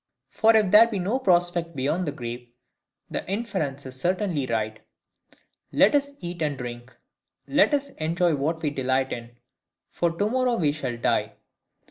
For if there be no prospect beyond the grave, the inference is certainly right—'Let us eat and drink,' let us enjoy what we delight in, 'for to morrow we shall die.